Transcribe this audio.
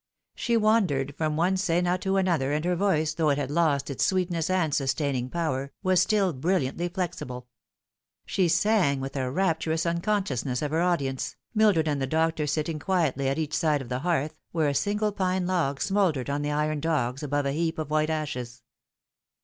She wandered from one scena to another, and her voice, though it had lost its sweetness and sustaining power, was stiff brilliantly flexible. She sang with a rapturous unconsciousness of her audience, Mildred and the doctor sitting quietly at each side of the hearth, where a single pine log smouldered on the iron dogs above a heap of white ashes.